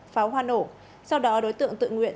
pháo hoa nổ sau đó đối tượng tự nguyện